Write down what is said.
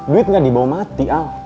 lo sih duit gak dibawa mati al